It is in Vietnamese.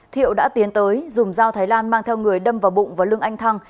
thiệu đã tiến tới dùng dao thái lan mang theo người đâm vào bụng và lương anh thăng